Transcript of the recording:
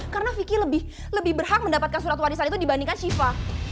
karena vicky lebih berhak mendapatkan surat warisan itu dibandingkan syifa